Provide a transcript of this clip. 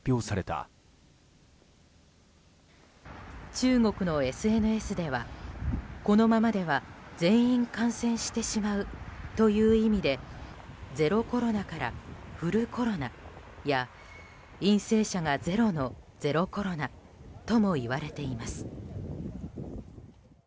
中国のＳＮＳではこのままでは全員感染してしまうという意味でゼロコロナからフルコロナや陰性者がゼロのゼロコロナともいわれています。